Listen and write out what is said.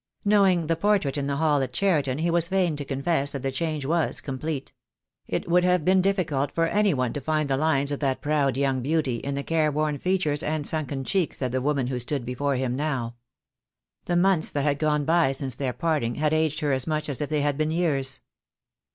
Knowing the portrait in the hall at Cheriton he was fain to confess that the change was complete. It would have been difficult for any one to find the lines of that proud young beauty in the careworn features and sunken cheeks of the woman who stood before him now. The 16* 244 ™E DAY WILL C0ME months that had gone by since their parting had aged her as much as if they had been years.